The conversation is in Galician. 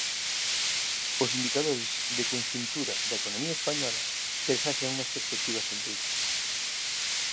Os indicadores de conxuntura da economía española presaxian unhas perspectivas sombrizas.